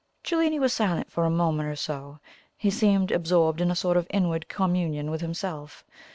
Cellini was silent for a minute or so; he seemed absorbed in a sort of inward communion with himself.